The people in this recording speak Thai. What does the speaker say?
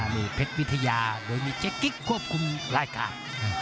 มีเพชรวิทยาโดยมีเจ๊กิ๊กควบคุมรายการ